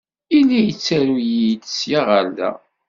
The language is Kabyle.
Yella yettaru-yi-d sya ɣer da.